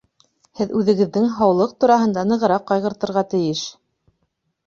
Һеҙ үҙегеҙҙең һаулыҡ тураһында нығыраҡ ҡайғыртырға тейеш